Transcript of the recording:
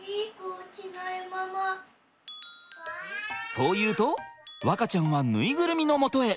そう言うと和花ちゃんはぬいぐるみのもとへ。